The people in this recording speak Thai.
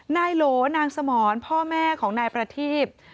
โหลนางสมรพ่อแม่ของนายประทีบ